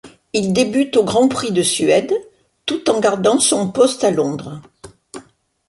Il débute au Grand Prix de Suède, tout en gardant son poste à Londres.